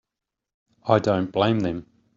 I don't blame them.